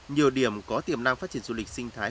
nhiều điểm có tiềm năng phát triển du lịch sinh thái